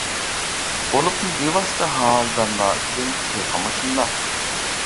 بولۇپمۇ بىۋاسىتە ھازىدارلار ئۈچۈن تېخىمۇ شۇنداق.